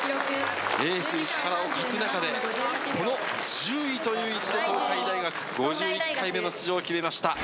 エース、石原を欠く中で、この１０位という位置で東海大学、５１回目の出場を決めました。